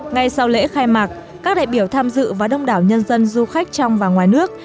ngay sau lễ khai mạc các đại biểu tham dự và đông đảo nhân dân du khách trong và ngoài nước